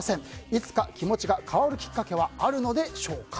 いつか気持ちが変わるきっかけはあるのでしょうか。